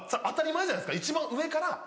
当たり前じゃないですか一番上から。